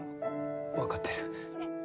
わかってる。